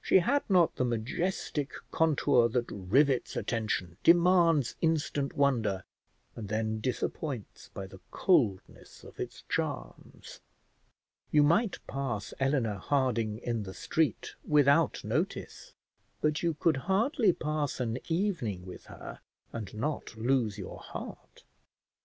She had not the majestic contour that rivets attention, demands instant wonder, and then disappoints by the coldness of its charms. You might pass Eleanor Harding in the street without notice, but you could hardly pass an evening with her and not lose your heart.